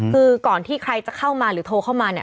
คือก่อนที่ใครจะเข้ามาหรือโทรเข้ามาเนี่ย